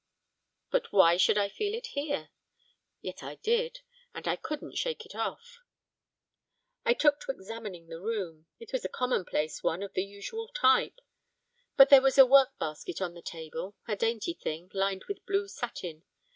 But why should I feel it here? Yet I did, and I couldn't shake it off. I took to examining the room. It was a commonplace one of the usual type. But there was a work basket on the table, a dainty thing, lined with blue satin.